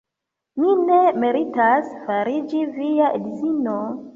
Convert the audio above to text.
Mi ne meritas fariĝi via edzino.